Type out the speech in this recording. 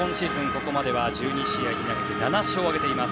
ここまでは１２試合を投げて７勝を挙げています。